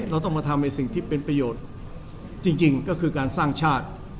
เราต้องมาทำในสิ่งที่เป็นประโยชน์จริงก็คือการสร้างชาติ